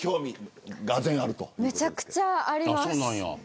めちゃくちゃあります。